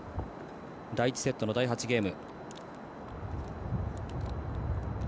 第１セットの第８ゲーム。